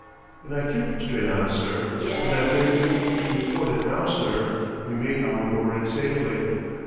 And I kept straight on, sir and, I beg leave to report it now, sir we made our mooring safely.'